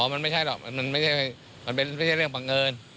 มันไม่ใช่หรอกมันเป็นไม่ใช่เรื่องบังเอิญ